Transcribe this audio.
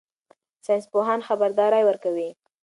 ساینس پوهان خبرداری ورکوي.